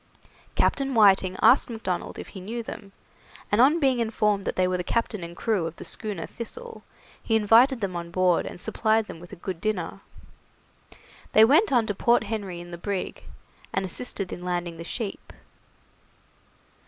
Captain Whiting asked Macdonald if he knew them, and on being informed that they were the captain and crew of the schooner 'Thistle', he invited them on board and supplied them with a good dinner. They went on to Point Henry in the brig, and assisted in landing the sheep.